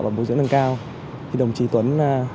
và bố dưỡng nâng cao thì đồng chí tuấn